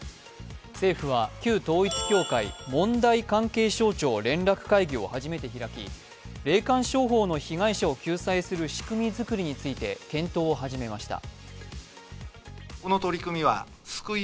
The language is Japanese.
政府は「旧統一教会」問題関係省庁連絡会議を初めて開き霊感商法の被害者を救済する仕組み作りについて検討を始めました。